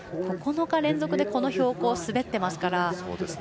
９日連続でこの標高を滑っていますから。